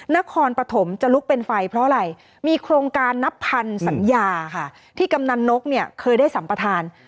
นครปฐมจะลุกเป็นไฟเพราะอะไรมีโครงการนับพันสัญญาค่ะที่กำนันนกเนี่ยเคยได้สัมประธาน